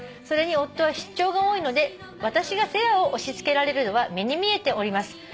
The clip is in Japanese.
「それに夫は出張が多いので私が世話を押し付けられるのは目に見えております」